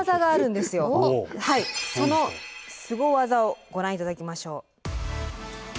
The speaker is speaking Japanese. そのスゴ技をご覧頂きましょう。